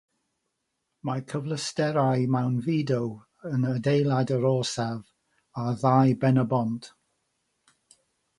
Mae'r cyfleusterau mewnfudo yn adeilad yr orsaf ar ddau ben y bont.